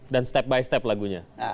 dan step by step lagunya